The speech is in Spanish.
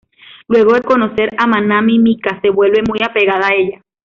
Luego de conocer a Manami, Mika se vuelve muy apegada a ella.